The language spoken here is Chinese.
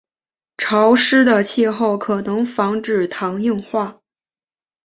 潮湿的气候可能防止糖硬化。